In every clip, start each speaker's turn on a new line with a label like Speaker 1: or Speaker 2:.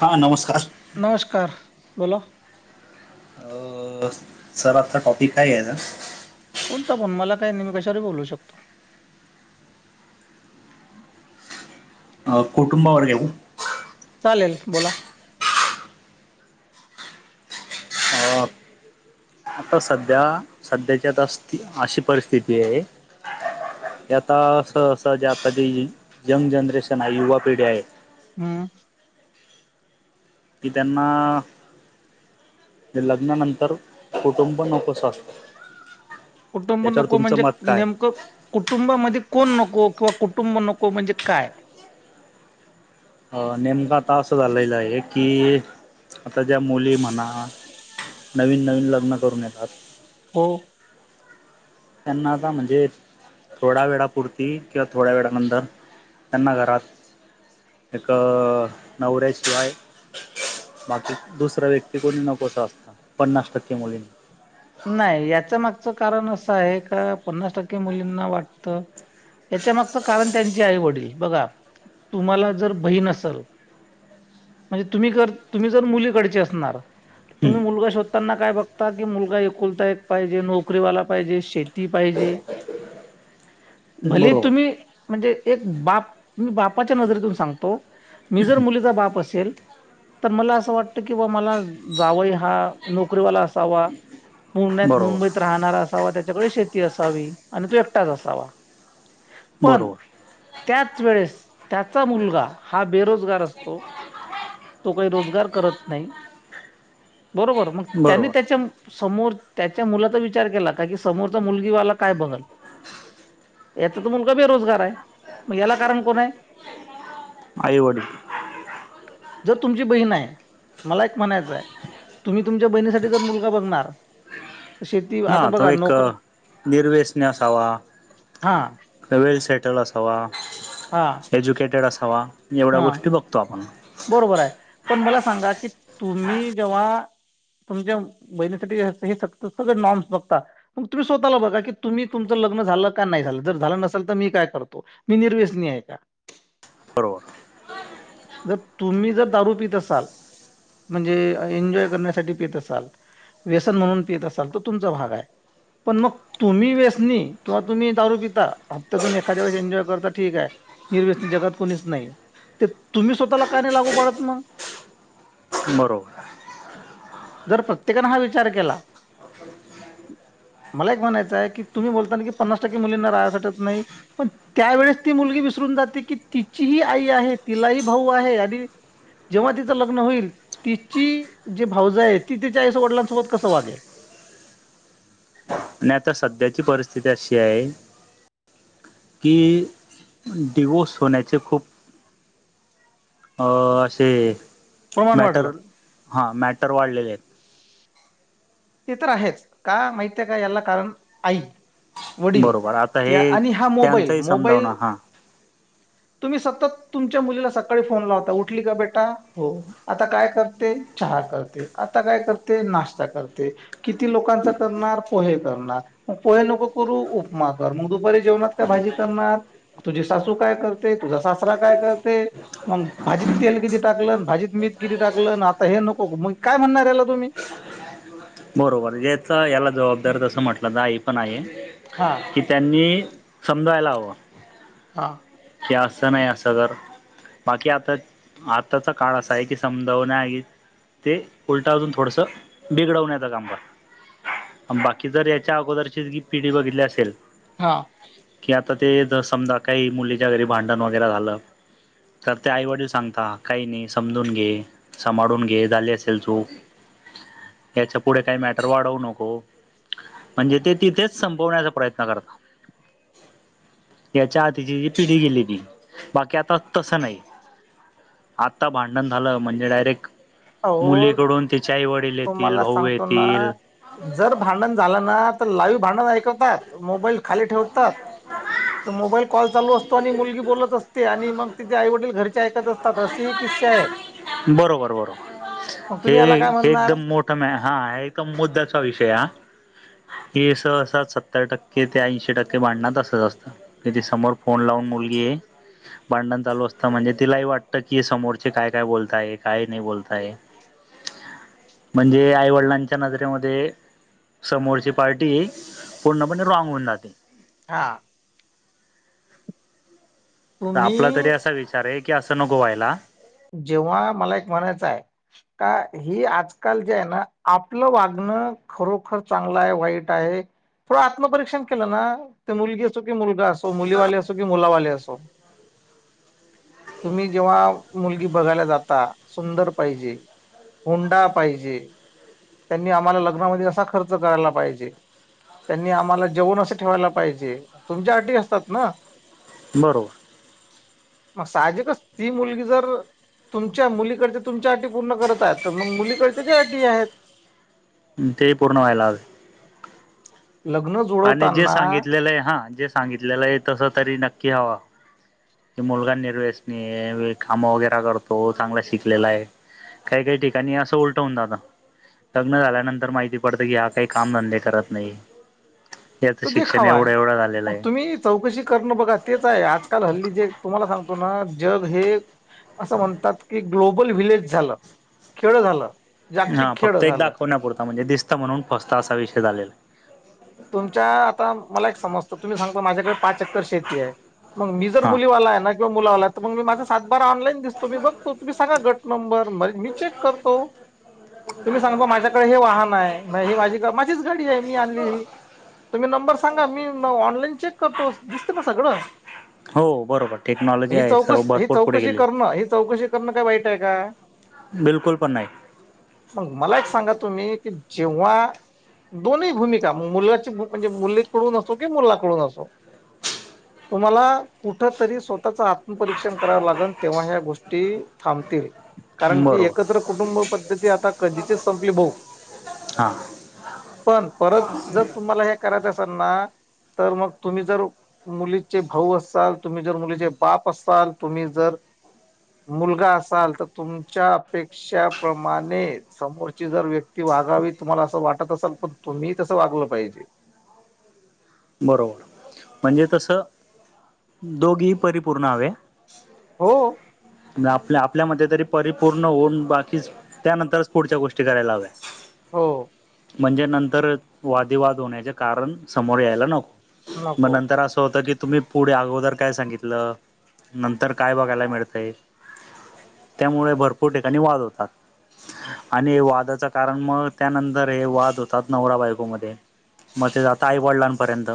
Speaker 1: हा नमस्कार.
Speaker 2: नमस्कार, बोला.
Speaker 1: अ ओ, सर आता टॉपिक काय घ्यायचा.
Speaker 2: कोणता पण, मला काय नई, मी कशा वरह बोलू शकतो.
Speaker 1: अ कुटुंबावर घेऊ.
Speaker 2: चालेल बोला.
Speaker 1: अ, आता सध्या, सध्याची आता अशी परिस्थिती एय. ते आता, अस-अस जे आता ज-ये यंग जनरेशन हाय, युवा पिढी ह्य.
Speaker 2: हम्.
Speaker 1: की त्यांना ते लग्नानंतर कुटुंब नकोस असतं.
Speaker 2: कुटुंब
Speaker 1: याच्यावर
Speaker 2: नको
Speaker 1: तुमचं
Speaker 2: म्हणजे
Speaker 1: मत काय
Speaker 2: नेमकं कुटुंबामध्ये कोण नको किंवा कुटुंब नको म्हणजे काय?
Speaker 1: हा नेमका आता असं झालेला आहे की आता ज्या मुली म्हणा नवीन नवीन लग्न करून येतात.
Speaker 2: हो.
Speaker 1: त्यांना आता म्हणजे थोड्या वेडापुरती किंवा थोड्या वेड्यानंतर त्यांना घरात एक नवऱ्या शिवाय बाकी दुसऱ्या व्यक्ती कोणी नकोसं असतं पन्नास टक्के मुलींना.
Speaker 2: नाही याचा मागचं कारण असं आहे का पन्नास टक्के मुलींना वाट त, याच्यामागचं कारण त्यांची आई-वडील बघा तुम्हाला जर बहीण असंल म्हणजे तुम्हीकड तुम्ही जर मुलीकडचे असणार तुम्ही मुलगा शोधताना काय बघता की मुलगा एकुलता एक पाहिजे नोकरीवाला पाहिजे शे ती पाहिजे
Speaker 1: हम्म
Speaker 2: भले
Speaker 1: बरोबर
Speaker 2: तुम्ही म्हणजे एक बाप मी बापाच्या नजरेतून सांगतो मी जर मुलीचा बाप असेल तर मला असं वाटतं की बा मला जावई हा नोकरीवाला असावा, पुण्यात
Speaker 1: बरोबर
Speaker 2: मुंबईत राहणारा असावा, त्याच्याकडे शेती असावी आणि तो एकटाच असावा. पण
Speaker 1: बरोबर
Speaker 2: त्याच वेळेस त्याचा मुलगा हा बेरोज गार असतो तो काही रोजगार करत नाही बरोबर. मग त्यांनी
Speaker 1: बरोबर
Speaker 2: त्याच्या समोर त्याच्या मुलाचा विचार केला का की समोरचा मुलगीवाला काय बघलं. याचा तर मुलगा बेरोजगार आहे, मग याला कारण कोण आहे?
Speaker 1: आईवडील.
Speaker 2: जर तुमची बहीण आहे मला एक म्हणायचं आहे तुम्ही तुमच्या बहिणीसाठी जर मुलगा बघणार शेती
Speaker 1: हा
Speaker 2: आता
Speaker 1: तो
Speaker 2: बघा
Speaker 1: एक
Speaker 2: नोकर
Speaker 1: निर्व्यसनी असावा
Speaker 2: हां
Speaker 1: वेल सेटल असावा,
Speaker 2: हां
Speaker 1: एज्युकेटेड असावा एवढ्या
Speaker 2: हां
Speaker 1: गोष्टी बघतो आपण.
Speaker 2: बरोबर आहे, पण मला सांगा की तुम्ही जेव्हा तुमच्या बहिणीसाठी हे सगळे नॉर्म्स बघता मग तुम्ही स्वतःला बघा की तुम्ही तुमचं लग्न झालं का नाही झालं जर झालं नसेल तर मी काय करतो. मी निर्व्यसनी आहे का?
Speaker 1: बरोबर.
Speaker 2: जर तुम्ही जर दारू पित असाल म्हणजे एन्जॉय करण्यासाठी पित असाल व्यसन म्हणून पित असाल तर तुमचा भाग आहे पण मग तुम्ही व्यसनी किंवा तुम्ही दारू पिता, हप्त्यातून एखाद्या वळेस एन्जॉय करता ठीक आहे निर्व्यसनी जगात कोणीच नाही आहे तर तुम्ही स्वतःला का नाही लागू पाडत म.
Speaker 1: बरोबर आहे.
Speaker 2: जर प्रत्येकानं हा विचार केला
Speaker 1: [inaudible]
Speaker 2: मला एक म्हणायचं आहे की तुम्ही बोलता की पन्नास टक्के मुलींना राहायसाठी येत नाही पण त्यावेेळेस ती मुलगी विसरून जाते की तिचीही आई आहे तिलाही भाऊ आहे आणि जेव्हा तिचं लग्न होईल तिची जी भाऊजं आहे ती तिच्या आई वडिलांसोबत कसं वागेल?
Speaker 1: आणि आता सध्याची परिस्थिती अशी आहे की डिवोस होण्याचे खूप. ह असे
Speaker 2: प्रमाण वाढलं
Speaker 1: मॅटर हा मॅटर वाढलेले आहेत.
Speaker 2: ते तर आहेच का माहिते आहे का याला कारण आई वडील
Speaker 1: बरोबर आता
Speaker 2: त्या
Speaker 1: हे
Speaker 2: आणि हा मोबाईल
Speaker 1: त्यांचंही
Speaker 2: मोबाईल
Speaker 1: समजावणं हा
Speaker 2: तुम्ही सतत तुमच्या मुलीला सकाळी फोन लावता उठली का बेटा हो आता काय करते चहा करते आता काय करते नाश्ता करते किती लोकांचा करणार पोहे करणार मग पोहे नको करू उपमा कर मग दुपारी जेवणात त्या भाजी करणार तुझी सासू काय करते तुझा सासरा काय करते? मग भाजीत तेल किती टाकल भाजीत मीठ किती टाकलं आता हे नको म काय म्हणणार याला तुम्ही
Speaker 1: बरोबर याचा याला जबाबदार तसं म्हटलं तर आई पण आहे
Speaker 2: हा
Speaker 1: कि त्यांनी समजायला हवं
Speaker 2: हां.
Speaker 1: की असं नाही असं कर बाकी आता आताचा काळ असा आहे की समजावणे आहे ते उलटा अजून थोडंसं बिघडवण्याचं काम करा. बाकी जर याच्या अगोदरची जी पिढी बघितली असेल
Speaker 2: हा.
Speaker 1: कि आता ते समजा काही मुलीच्या घरी भांडण वगैरे झालं तर ते आईवडील सांगता काही नाही समजून घे सभाळून घे झाले असेल चूक याच्या पुढे काय मॅ टर वाढवू नको म्हणजे ते तिथेच संपवण्याचा प्रयत्न करतात याच्या आधीची जी पिढी गेलेली बाकी आता तसं नाही आता भांडण झालं म्हणजे डायरेक्ट
Speaker 2: अहो
Speaker 1: मुलीकडून तिचे आई व वडील येतील
Speaker 2: तुम्हाला
Speaker 1: भाऊ
Speaker 2: सांगतो ना
Speaker 1: येतील
Speaker 2: जर भांडण झालं ना तर लाईव्ह भांडण ऐकतात मोबाईल खाली ठेवतात मोबाईल कॉल चालू असतो. आणि मुलगी बोलत असते आणि मग ति आई वडील घरच्या ऐकत असते
Speaker 1: बरोबर बरोबर
Speaker 2: मग तुम्ही याला काय
Speaker 1: हे
Speaker 2: म्हणणार
Speaker 1: मोठ हा एक मुद्द्याचा विषय हा हे स अस सत्तर टक्के ते ऐंशी टक्के भांडणात असंच असतं क समोर फोन लावून मुलगी आहे भांडण चालू असतं म्हणजे तिलाही वाटत कीय समोरचे काय काय बोलताय काय नाही बोलताय. म्हणजे आईवडिलांच्या नजरेमध्ये समोरची पार्टी पूर्णपणे रॉग होऊन जाते
Speaker 2: हां.
Speaker 1: तर आपला तरी
Speaker 2: तुम्ही
Speaker 1: असा विचार आहे की असं न व्हायला
Speaker 2: जेव्हा मला एक म्हणायचं आहे का ही आजकाल जे आहे ना आपलं वागणं खरोखर चांगला आहे वाईट आहे थोडं आत्मपरीक्षण केलं ना ते मुलगी असो की मुलगा असो मुलीवाले असो की मुलावाले असो
Speaker 1: [unintelligible]
Speaker 2: तुम्ही जेव्हा मुलगी बघायला जाता सुंदर पाहिजे हुंडा पाहिजे त्यांनी आम्हाला लग्नामध्ये असा खर्च करायला पाहिजे. त्यांनी आम्हाला जेवण असं ठेवायला पाहिजे. तुमच्या अटी असतात ना?
Speaker 1: बरोबर.
Speaker 2: मग साहजिकच ती मुलगी जर तुमच्या मुलीकडच्या तुमच्या अटी पूर्ण करत आहेत. तर मग मुलीकडच्या ज्या अटी आहेत.
Speaker 1: मग ते पूर्ण व्हायला हवेत.
Speaker 2: लग्न
Speaker 1: आणि जे
Speaker 2: जुळवताना
Speaker 1: सांगितलेलं आहे. हा जे सांगितलेलं आहे तसं तरी नक्की हव तो मुलगा निर्वसनी आहे. वे काम वगैरे करतो चांगला शिकलेला आहे. काही काही ठिकाणी असं उलट होऊन दादा लग्न झाल्यानंतर माहिती पडतं की, हा काही काम धंदे करत नाही. त्याचं
Speaker 2: तो
Speaker 1: शिक्षण
Speaker 2: देखावा आहे
Speaker 1: एवढं एवढं झालेलं
Speaker 2: मग
Speaker 1: आहे.
Speaker 2: तुम्ही चौकशी करणं बघा तेच आहे. आजकाल हल्ली जे तुम्हाला सांगतो ना जग हे असं म्हणतात की, ग्लोबल व्हिलेज झालं, खेळ झालं.
Speaker 1: हा
Speaker 2: जागतिक
Speaker 1: फक्त
Speaker 2: खेळ
Speaker 1: एक
Speaker 2: झालं
Speaker 1: दाखवण्या पुुरता, म्हणजे दिसत म्हणून फसत असा विषय झालेला आहे.
Speaker 2: तुमच्या आता मला एक समजतं, तुम्ही सांगतो माझ्याकडे पाच एकर शेती आहे. मग, मी जर
Speaker 1: हा.
Speaker 2: मुलीवाला आहे ना मुलाला मी माझा सातबारा ऑनलाइन दिसतो. मी बघतो तुम्ही सांगा गट नंबर मी चेक करतो. तुम्ही सांगता माझ्याकडे हे वाहन हाय. नाही ही, माझी माझीच गाडी आहे मी आणली ही. तुम्ही नंबर सांगा. मी ऑनलाईन चेक करतो, दिसत ना सगळं.
Speaker 1: हो बरोबर टेक्नॉलॉजी
Speaker 2: ही
Speaker 1: आहे सर्व
Speaker 2: चौकस, ही
Speaker 1: भरपूर पुढे
Speaker 2: चौकशी
Speaker 1: गेले.
Speaker 2: करणं ही चौकशी करणं काय वाईट आहे काय?
Speaker 1: बिल्कुल पण नाही.
Speaker 2: मग, मला एक सांगा तुम्ही? की जेव्हा दोन्ही भूमिका मुला ची म्हणजे मुलीकडून असो, की मुलाकडून असो?
Speaker 1: [inaudible]
Speaker 2: तुम्हाला कुठं तरी स्वतःच आत्मपरीक्षण करावं लागेल? तेव्हा ह्या गोष्टी थांबतील. कारण की,
Speaker 1: बरोबर
Speaker 2: एकत्र कुटुंब पद्धती आता कधीचीच संपली भाऊ.
Speaker 1: हां
Speaker 2: पण, परत जर तुम्हाला हे करायचं असेल ना? तर मग तुम्ही जर मुलीचे भाऊ असाल, तुम्ही जर मुलीचे बाप असाल तुम्ही जर मुलगा असाल तर तुमच्या अपे क्षा प्रमाणे समोरची जर व्यक्ती वागावी. तुम्हाला असं वाटत असल, पण तुम्ही तसं वागलं पाहिजे.
Speaker 1: बरोबर. म्हणजे, तसं दोघेही परिपूर्ण हवे.
Speaker 2: हो.
Speaker 1: आणि आपल्या आपल्या मध्ये तरी परिपूर्ण होऊन बाकीच, त्यानंतरच पुढच्या गोष्टी करायला हव्यात.
Speaker 2: हो.
Speaker 1: म्हणजे नंतरच वादी वाद होण्याचे कारण समोर यायला नको. मग
Speaker 2: नको
Speaker 1: नंतर असं होतं की, तुम्ही पुढे अगोदर काय सांगितलं. नंतर काय बघायला मिळतंय? त्यामुळे भरपूर ठिकाणी वाद होतात. आणि वादाच कारण, मग त्यानंतर हे वाद होतात नवरा बायकोमध्ये. मग ते जाता आई वडीलांपर्यंत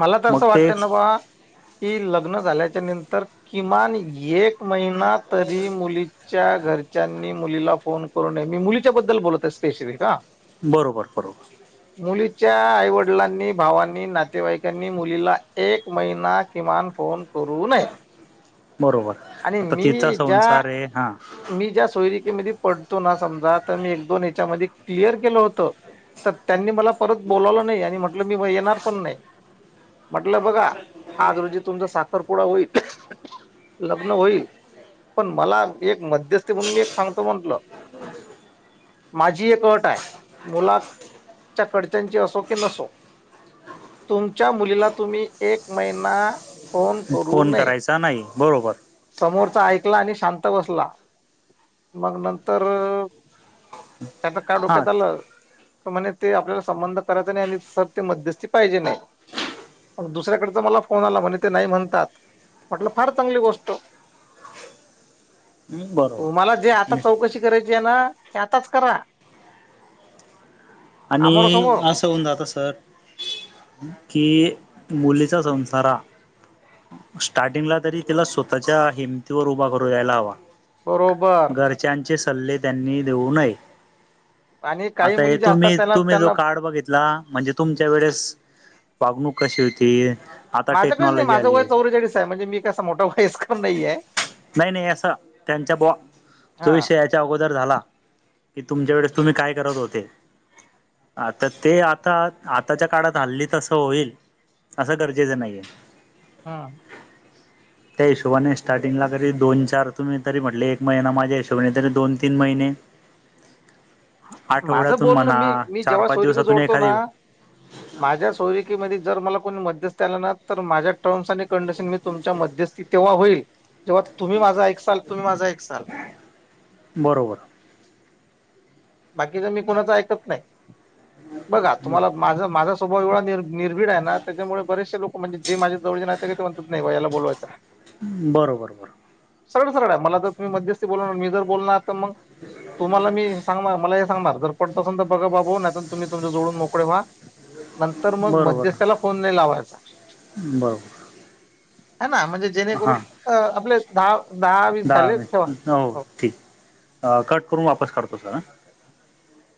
Speaker 2: मला तर
Speaker 1: मग
Speaker 2: असं
Speaker 1: ते
Speaker 2: वाटतंय ना बा, की लग्न झाल्याच्या नंतर किमान एक महिना तरी मुली च्या घरच्यांनी मुलीला फोन करू नये. मी मुलीच्या बद्दल बोलत आहे स्पेशली का
Speaker 1: बरोबर बरोबर
Speaker 2: मुलीच्या आई-वडिलांनी, भावांनी ना नातेवाईकांनी मुलीला एक महिना किमान फोन करू नये आणि मी ज्या
Speaker 1: हे हा.
Speaker 2: मी ज्या सोयरिकेमध्ये पडतो ना समजा तर मी एक दोन याच्यामध्ये क्लिअर केलं होत. तर त्यांनी मला परत बोलावलं नाही आणि म्हटलं मी येणार पण नाही. म्हटलं बघा आज रोजी तुमचं साख रपुडा होईल, लग्न होईल पण मला एक मध्यस्थी म्हणून मी एक सांगतो म्हंटलं. माझी एक अट आहे मुला च्या कडच्यांची असो की नसो तुमच्या मुलीला तुम्ही एक महिना फोन करू
Speaker 1: फोन
Speaker 2: नये
Speaker 1: करायचा नाही बरोबर
Speaker 2: समोरचा ऐकला आणि शांत बसला मग नंतर त्याचा काय
Speaker 1: हा
Speaker 2: डोक्यात आलं तर म्हणे ते आपल्याला संबंध करायचा नाही आणि सर ते मध्यस्थी पाहिजे नाही. दुसऱ्याकडचा मला फोन आला म्हणे ते नाही म्हणतात म्हटलं फार चांगली गोष्ट ट
Speaker 1: बरोबर
Speaker 2: मला जे आता चौकशी करायची आहे ना आताच करा.
Speaker 1: आणि
Speaker 2: आमोरासमोर
Speaker 1: अस अस होवून जात सर की मुलीचा संसारा हा स्टार्टिंगला तरी तिला स्वतःच्या हिमतीवर उभा करू यायला हवा.
Speaker 2: बरोबर
Speaker 1: त्यांचे सल्ले त्यांनी देऊ नये.
Speaker 2: आणि काही
Speaker 1: आता हे
Speaker 2: मुली जा
Speaker 1: तुम्ही जो कार्ड बघितला म्हणजे तुमच्या वेळेस वागणूक कशी होती आता
Speaker 2: माझ कस नाही
Speaker 1: टेक्नॉलॉजी
Speaker 2: माझं
Speaker 1: आली
Speaker 2: वय चौवेचाळीस आहे म्हणजे मी कसं मोठा वयस्कर नाहीये.
Speaker 1: नाही नाही असं त्यांच्या बो
Speaker 2: हा.
Speaker 1: त्या अगोदर झाला की तुमच्या वेळेस तुम्ही काय करत होते. आता ते आता आताच्या काळात हल्ली तसं होईल असं गरजेचं नाहीये.
Speaker 2: हा.
Speaker 1: [inaudible] त्या हिशोबाने स्टार्टिंगला तरी दोन चार तुम्ही तरी म्हटले एक महिना माझ्या हिशोबाने तरी दोन तीन महिने आठवड्यात
Speaker 2: बोल ना मी जेव्हा सोरीकी जोडतो ना माझ्या सोयिकेमध्ये जर मला कोणी मध्यस्थी आला ना तर माझ्या टर्म्स आणि कंडिशन मी तुमच्या मध्यस्थी. तेव्हा होईल जेव्हा तुम्ही माझ एकसाल तुम्ही माझ एकसाल.
Speaker 1: बरोबर
Speaker 2: बाकीच मी कुणाच ऐकत नाही बघा
Speaker 1: बरोबर.
Speaker 2: तुम्हाला माझ माझ स्वाभाव एवढा निर निर्भीड आहे ना त्याच्यामुळे बरेचसे लोक म्हणजे माझ्या जवळचे नातेवाईक आहेत ते म्हणतात नाही बा याला बोलवायच हाय
Speaker 1: बर बर बर
Speaker 2: सरळ सरळ आहे मला तर तुम्ही मध्यस्थी बोललाणार मी जर बोलणार तर मग तुम्हाला मी सांगणार मला हे सांगणार जर पटत असल तर बघा बाबू नाही तर तुम्ही तुमच्या जोडून मोकळे व्हा नंतर मगं
Speaker 1: बरोबर
Speaker 2: मध्यस्थ्याला फोन नाय लावायचा.
Speaker 1: बरोबर
Speaker 2: ह ना म्हणजे जेणेकरून
Speaker 1: हां
Speaker 2: अ आपले दहा दहा वीस झाले तेव्हा
Speaker 1: [unintelligible] अ कट करून वापस करतो, सर ह